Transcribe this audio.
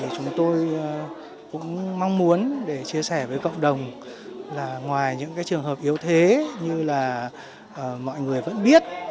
chúng tôi cũng mong muốn để chia sẻ với cộng đồng là ngoài những trường hợp yếu thế như là mọi người vẫn biết